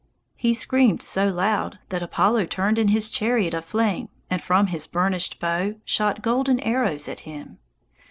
He screamed so loud that Apollo turned in his chariot of flame and from his burnished bow shot golden arrows at him.